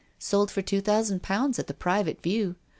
Sold for two thousand pounds, at the Private View.